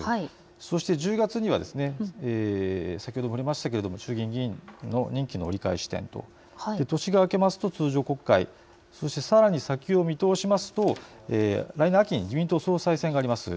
そして１０月には衆議院議員の任期の折り返し地点、そして年が明けますと通常国会、さらに先を見通しますと来年秋に自民党総裁選があります。